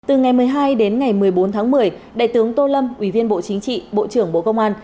từ ngày một mươi hai đến ngày một mươi bốn tháng một mươi đại tướng tô lâm ủy viên bộ chính trị bộ trưởng bộ công an